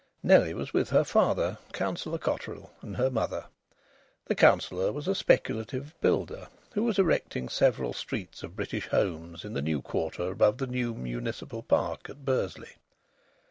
Nellie was with her father, Councillor Cotterill, and her mother. The Councillor was a speculative builder, who was erecting several streets of British homes in the new quarter above the new municipal park at Bursley.